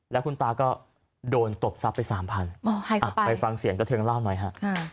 แล้วคุณตาก็โดนตบสับไปสามพันอ้าวไปฟังเสียงก็เครื่องได้ลาดหน่อยฮะ